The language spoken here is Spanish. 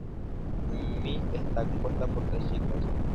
Mi está compuesta por tres chicas.